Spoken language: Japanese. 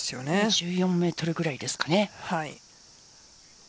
１４ｍぐらいですかね。